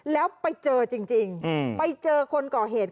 แล้วไปเจอจริงไปเจอคนก่อเหตุ